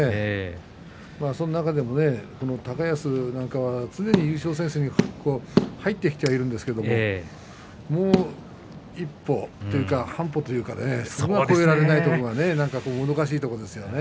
その中でも高安なんかは常に優勝戦線に入ってきてはいるんですけれどももう一歩というか半歩というかそこが越えられないところがもどかしいところですよね。